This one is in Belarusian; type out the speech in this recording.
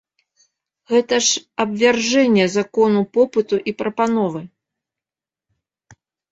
Гэта ж абвяржэнне закону попыту і прапановы!